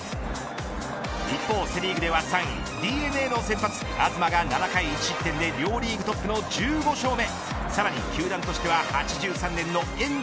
一方、セ・リーグでは３位ＤｅＮＡの先発、東が７回１失点で両リーグトップの１５勝目。